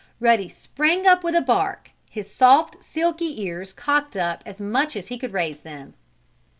Ruddy sprang up with a bark, his soft, silky ears cocked up as much as he could raise them.